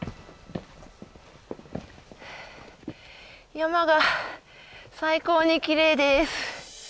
山が最高にきれいです。